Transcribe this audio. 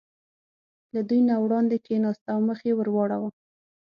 له دوی نه وړاندې کېناست او مخ یې ور واړاوه.